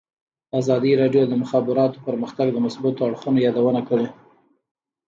ازادي راډیو د د مخابراتو پرمختګ د مثبتو اړخونو یادونه کړې.